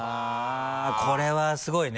これはすごいね。